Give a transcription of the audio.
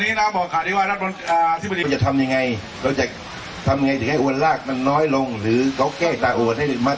หรือเขาแก้ตาอ้วนให้มาตรฐานนะครับถ้าเป็นห้าเดียวนี้ปัญหาปลาผลมันจะ